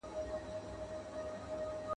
د خوب خونې فرش پاک وساتئ.